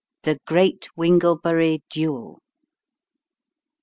THE GEEAT WINGLEBUKY DUEL.